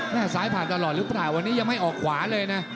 ซ้ายผ่านตลอดหรือเปล่าวันนี้ยังไม่ออกขวาเลยนะ